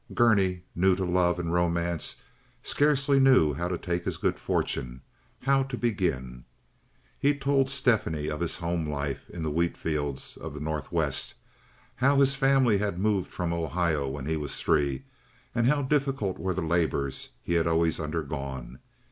Gurney, new to love and romance, scarcely knew how to take his good fortune, how to begin. He told Stephanie of his home life in the wheat fields of the Northwest, how his family had moved from Ohio when he was three, and how difficult were the labors he had always undergone.